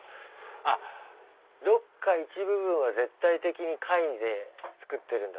あっどっか一部分は絶対的に貝で作ってるんだ。